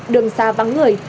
đường xa vắng người